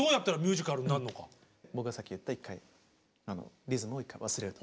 僕がさっき言った１回リズムを１回忘れると。